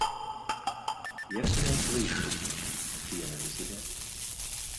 Як ты на іх выйшаў, ці яны на цябе?